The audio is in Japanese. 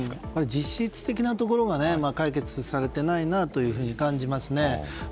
実質的なところが解決されてないなと感じますね。